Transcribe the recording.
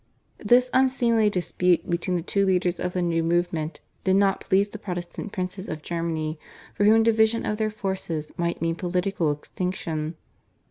This unseemly dispute between the two leaders of the new movement did not please the Protestant princes of Germany, for whom division of their forces might mean political extinction.